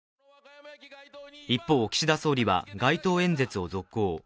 一方、岸田総理は街頭演説を続行。